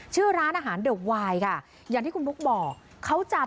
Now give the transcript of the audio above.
ชื่อร้านอาหารเดอร์ไวน์ค่ะอย่างที่คุณบุ๊คบอกเขาจะ